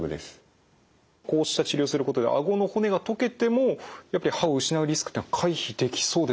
こうした治療をすることであごの骨が溶けてもやっぱり歯を失うリスクっていうのは回避できそうですか？